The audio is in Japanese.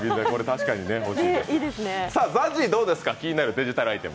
さあ、ＺＡＺＹどうですか、気になるデジタルアイテム。